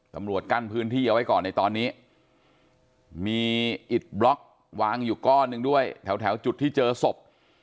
ตำรวจกั้นพื้นที่เอาไว้ก่อนในตอนนี้มีอิดบล็อกวางอยู่ก้อนหนึ่งด้วยแถวจุดที่เจอศพ